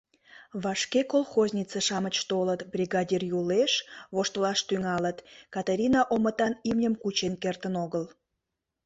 Вашке колхознице-шамыч толыт, бригадир юлеш, воштылаш тӱҥалыт: «Катерина омытан имньым кучен кертын огыл.